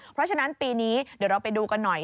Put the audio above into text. เพราะฉะนั้นปีนี้เดี๋ยวเราไปดูกันหน่อย